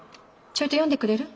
ちょいと読んでくれる？